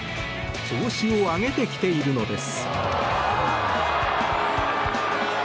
調子を上げてきているのです。